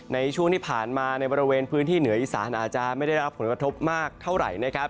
ในช่วงที่ผ่านมาในบริเวณพื้นที่เหนืออีสานอาจจะไม่ได้รับผลกระทบมากเท่าไหร่นะครับ